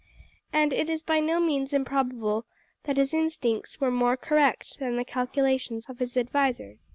And it is by no means improbable that his instincts were more correct than the calculations of his advisers.